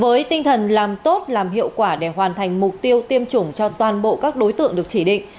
với tinh thần làm tốt làm hiệu quả để hoàn thành mục tiêu tiêm chủng cho toàn bộ các đối tượng được chỉ định